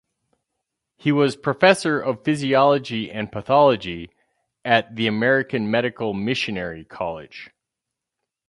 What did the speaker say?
He was Professor of Physiology and Pathology at the American Medical Missionary College.